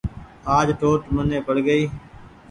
آج ٽوٽ مني پڙ گئي